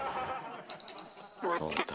終わった。